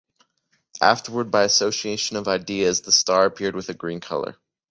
Afterward by association of ideas, the star appeared with a green color.